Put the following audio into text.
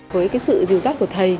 với sự rìu rắt của thầy